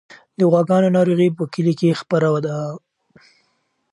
د غواګانو ناروغي په کلي کې خپره ده.